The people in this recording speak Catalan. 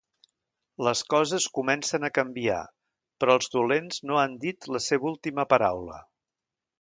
Les coses comencen a canviar, però els dolents no han dit la seva última paraula.